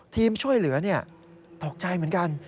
ทีมช่วยเหลือตกใจเหมือนกัน